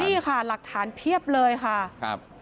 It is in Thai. นี่ค่ะหลักฐานเพียบเลยค่ะครับ